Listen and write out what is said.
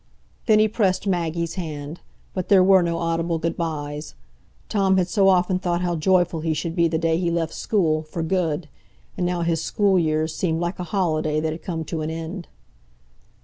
Then he pressed Maggie's hand; but there were no audible good byes. Tom had so often thought how joyful he should be the day he left school "for good"! And now his school years seemed like a holiday that had come to an end.